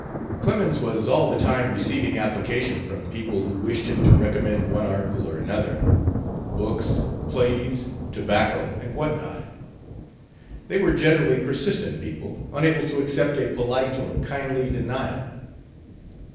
Clemens was all the time receiving application from people who wished him to recommend one article or another; books, plays, tobacco, and what not. They were generally persistent people, unable to accept a polite or kindly denial.